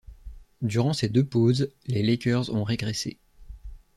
Durant ces deux pauses, les Lakers ont régressé.